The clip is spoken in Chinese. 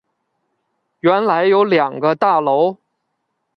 原来有两个大楼